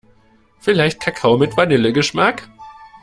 Vielleicht Kakao mit Vanillegeschmack?